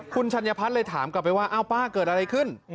คุณชัญพัฒน์เลยถามกลับไปว่าอ้าวป้าเกิดอะไรขึ้น